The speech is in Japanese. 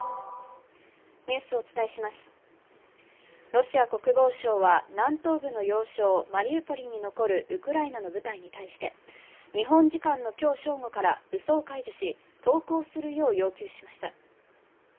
ロシア国防省は、南東部の要衝、マリウポリに残るウクライナの部隊に対して、日本時間の今日正午から武装解除し投降するよう要求しました。